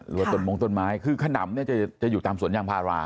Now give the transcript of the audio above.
รัวตนมงตนไม้คือขนำจะอยู่ตามสวนยั่งพารา